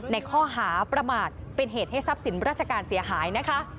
ในข้อหาประมาทเป็นเหตุให้ทรัพย์สินราชการเสียหายนะคะ